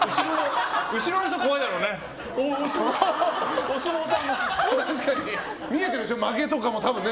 後ろの人怖いだろうね。